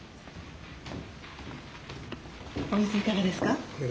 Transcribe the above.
お水いかがですか？